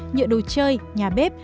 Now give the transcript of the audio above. nhựa đồ chơi nhà bếp